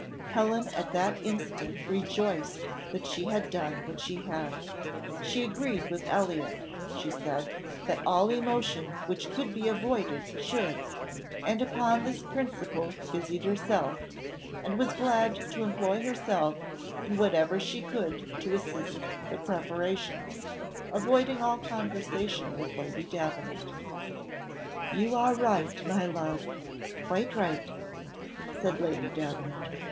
Helen at that instant rejoiced that she had done what she had. She agreed with Elliott, she said, that all emotion which could be avoided should; and upon this principle busied herself, and was glad to employ herself in whatever she could to assist the preparations, avoiding all conversation with Lady Davenant. "You are right, my love quite right," said Lady Davenant.